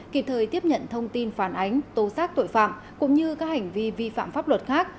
kịp thời tiếp nhận thông tin phản ánh tố xác tội phạm cũng như các hành vi vi phạm pháp luật khác